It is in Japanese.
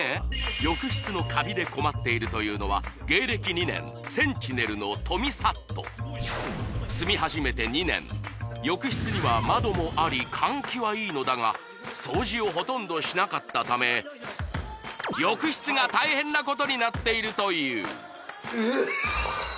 浴室のカビで困っているというのは芸歴２年センチネルのトミサット住み始めて２年浴室には窓もあり換気はいいのだが掃除をほとんどしなかったため浴室が大変なことになっているというううっ